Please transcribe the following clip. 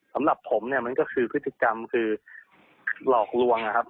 สำหรับผมเนี่ยมันก็คือพฤติกรรมคือหลอกลวงนะครับ